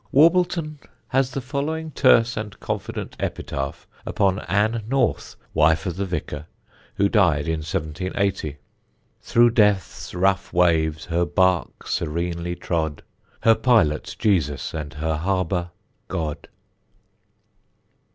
Warbleton has the following terse and confident epitaph upon Ann North, wife of the vicar, who died in 1780: Through death's rough waves her bark serenely trod, Her pilot Jesus, and her harbour God.